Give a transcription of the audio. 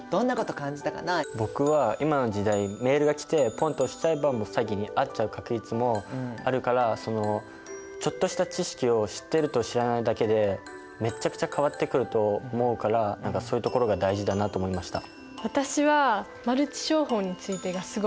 僕は今の時代メールが来てポンと押しちゃえばもう詐欺に遭っちゃう確率もあるからちょっとした知識を知ってると知らないだけでめっちゃくちゃ変わってくると思うからそういうところが大事だなと思いました。